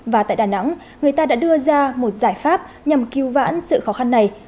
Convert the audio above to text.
và tại đà nẵng người ta đã đưa ra một giải pháp nhằm cứu vãn sự khó khăn này